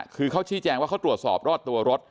คือเขาชี้แจงว่าเขาตรวจสอบรอดตัวรถ